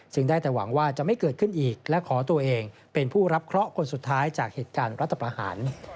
ได้แต่หวังว่าจะไม่เกิดขึ้นอีกและขอตัวเองเป็นผู้รับเคราะห์คนสุดท้ายจากเหตุการณ์รัฐประหาร